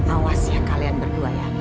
awas ya kalian berdua ya